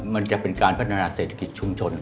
มันจะเป็นการพัฒนาเศรษฐกิจชุมชน